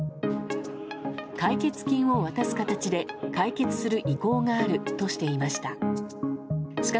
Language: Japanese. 解決金を渡す形で解決する意向があるとしていました。